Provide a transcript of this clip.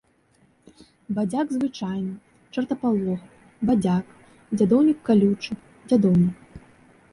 Бадзяк звычайны, чартапалох, бадзяк, дзядоўнік калючы, дзядоўнік.